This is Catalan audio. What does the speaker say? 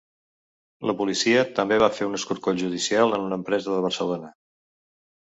La policia també va fer un escorcoll judicial en una empresa de Barcelona.